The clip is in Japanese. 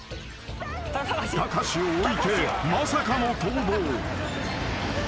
［タカシを置いてまさかの逃亡］